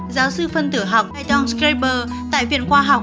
giáo sư phân tử học john schreiber tại viện khoa học